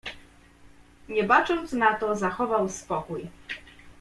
"Nie bacząc na to zachował spokój."